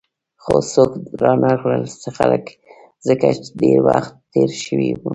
خو څوک رانغلل، ځکه ډېر وخت تېر شوی وو.